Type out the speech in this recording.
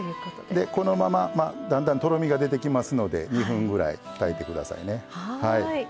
でこのままだんだんとろみが出てきますので２分ぐらい炊いてくださいね。